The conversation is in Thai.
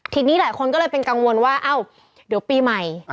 ทีนี้หลายคนก็เลยเป็นกังวลว่าเอ้าเดี๋ยวปีใหม่